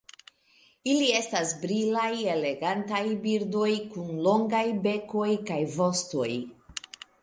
Ili estas brilaj elegantaj birdoj kun longaj bekoj kaj vostoj.